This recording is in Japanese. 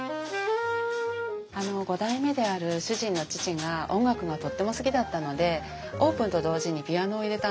あの５代目である主人の父が音楽がとっても好きだったのでオープンと同時にピアノを入れたんですね。